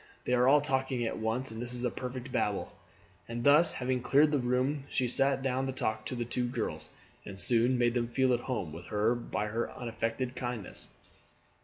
They are all talking at once, and this is a perfect babel." And thus having cleared the room she sat down to talk to the two girls, and soon made them feel at home with her by her unaffected kindness.